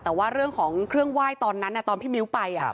แต่ว่าเรื่องของเครื่องไหว้ตอนนั้นตอนพี่มิ้วไป